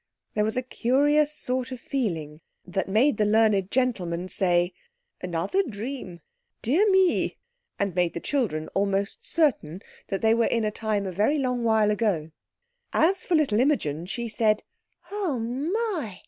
There was a curious sort of feeling that made the learned gentleman say— "Another dream, dear me!" and made the children almost certain that they were in a time a very long while ago. As for little Imogen, she said, "Oh, my!"